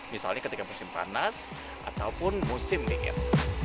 misalnya ketika musim panas ataupun musim dingin